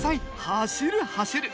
走る走る！